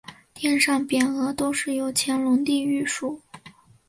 殿上匾额都是乾隆帝御书。